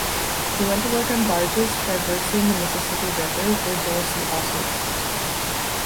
He went to work on barges traversing the Mississippi River, where Dorsey also worked.